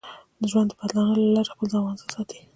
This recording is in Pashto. ژوند د بدلانه له لارې خپل توازن ساتي.